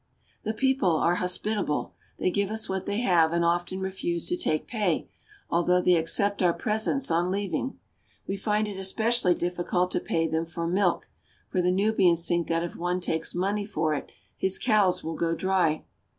^^^ The people are hospitable. They give us what they have and often refuse to take pay, although they accept l^^^^^^^^^^^^^^^^^^^^^_ our presents on leav ^^^^^■^^^^^^^^^H es pecially difficult to pay them for milk; for the Nubians think that if one takes money for it, his cows will go dry.